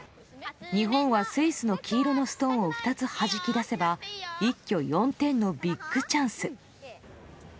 日本はスイスの黄色のストーンを２つ、はじき出せば一挙４点のビッグチャンス。